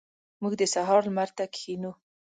موږ د سهار لمر ته کښینو.